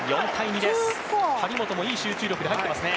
張本もいい集中力で入ってますね。